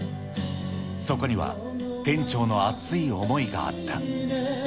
そこには、店長の熱い思いがあった。